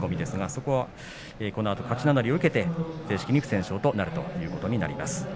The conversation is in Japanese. そこはこのあと勝ち名乗りを受けて正式に不戦勝となるということになります。